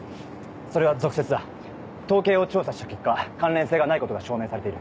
それは俗説だ統計を調査した結果関連性がないことが証明されている。